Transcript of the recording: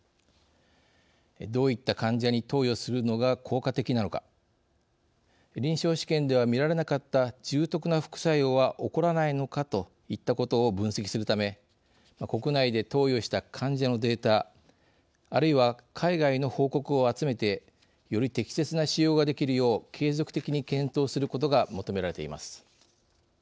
どういった患者に投与するのが効果的なのか臨床試験では見られなかった重篤な副作用は起こらないのかといったことを分析するため国内で投与した患者のデータあるいは海外の報告を集めてより適切な使用ができるよう継続的に検討することが求められています。